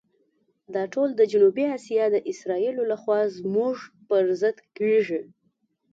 دا ټول د جنوبي آسیا د اسرائیلو لخوا زموږ پر ضد کېږي.